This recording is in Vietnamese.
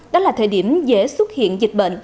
đó là thời điểm dễ xuất hiện dịch bệnh